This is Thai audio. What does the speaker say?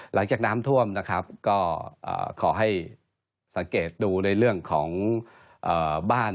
หลังจากน้ำท่วมนะครับก็ขอให้สังเกตดูในเรื่องของบ้าน